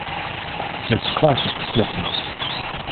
It’s classic Slipknot.